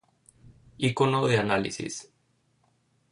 ícono de análisis